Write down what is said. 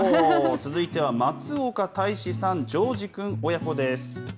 続いては松岡泰志さん、譲冶君親子です。